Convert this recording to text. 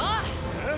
えっ？